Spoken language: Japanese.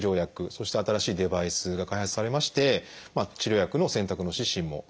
そして新しいデバイスが開発されまして治療薬の選択の指針も発表されました。